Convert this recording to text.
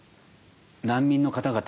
難民の方々